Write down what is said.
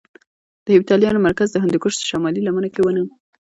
د هېپتاليانو مرکز د هندوکش شمالي لمنو کې کې وو